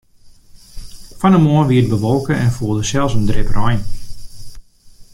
Fan 'e moarn wie it bewolke en foel der sels in drip rein.